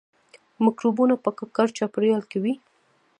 مکروبونه په ککړ چاپیریال کې وي